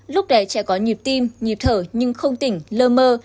lúc đấy trẻ có nhịp tim nhịp thở nhưng không tỉnh lơ mơ